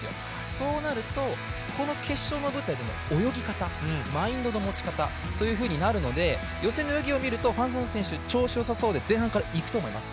そうなると、この決勝の舞台での泳ぎ方、マインドの持ち方というふうになるので予選の泳ぎを見るとファン・ソヌ選手、調子よさそうで前半からいくと思います。